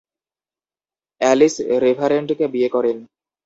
Alice রেভারেন্ডকে বিয়ে করেন।